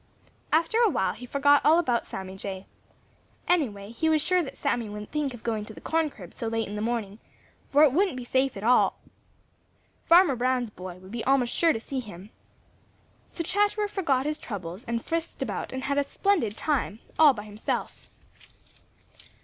After a while he forgot all about Sammy Jay. Anyway, he was sure that Sammy wouldn't think of going to the corn crib so late in the morning, for it wouldn't be safe at all. Farmer Brown's boy would be almost sure to see him. So Chatterer forgot his troubles and frisked about and had a splendid time all by himself.